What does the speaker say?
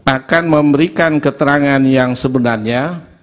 akan memberikan keterangan yang sebenarnya